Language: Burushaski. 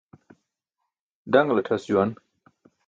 Ḍaṅltʰas juwan